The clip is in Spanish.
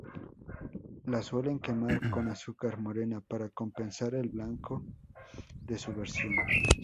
La suelen quemar con azúcar morena para compensar el blanco de su versión.